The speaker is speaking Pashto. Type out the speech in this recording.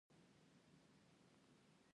سانتیاګو د ملک صادق پاچا سره ملاقات کوي.